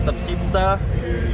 dan diperoleh dalam negara lainnya